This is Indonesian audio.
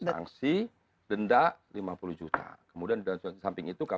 sanksi denda lima puluh juta kemudian di samping itu kpk